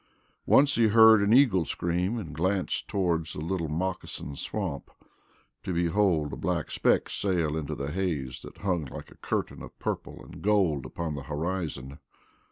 Once he heard an eagle scream, and glanced toward the Little Mocassin swamp to behold a black speck sail into the haze that hung like a curtain of purple and gold upon the horizon.